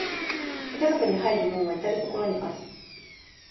哲学に入る門は到る処にある。